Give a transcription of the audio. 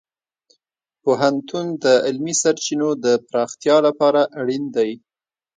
پوهنتون د علمي سرچینو د پراختیا لپاره اړین دی.